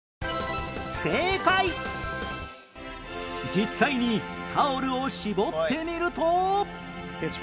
実際にタオルを絞ってみると